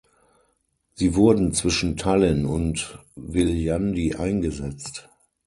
Sie wurden zwischen Tallinn und Viljandi eingesetzt.